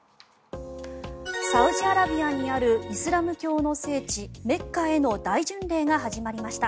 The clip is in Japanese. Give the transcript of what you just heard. サウジアラビアにあるイスラム教の聖地、メッカへの大巡礼が始まりました。